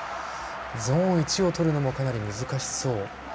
ゾーン１をとるのもかなり難しそう。